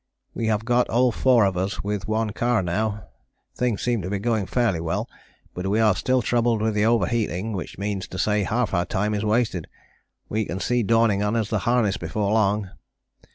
We have got all four of us with one car now, things seems to be going fairly well, but we are still troubled with the overheating which means to say half our time is wasted. We can see dawning on us the harness before long.